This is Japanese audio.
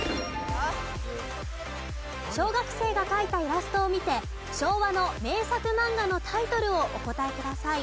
小学生が描いたイラストを見て昭和の名作マンガのタイトルをお答えください。